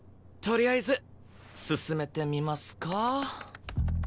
とりあえず進めてみますか。